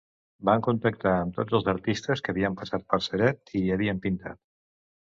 Van contactar amb tots els artistes que havien passat per Ceret i hi havien pintat.